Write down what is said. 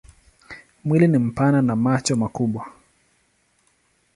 Mwili ni mpana na macho makubwa.